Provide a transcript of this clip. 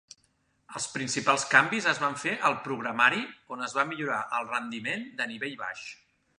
Els principals canvis es van fer al programari, on es va millorar el rendiment de nivell baix.